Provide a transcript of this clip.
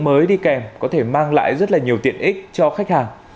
mới đi kèm có thể mang lại rất là nhiều tiện ích cho khách hàng